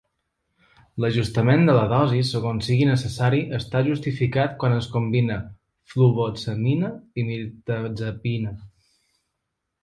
L'ajustament de la dosi segons sigui necessari està justificat quan es combina fluvoxamina i mirtazapina.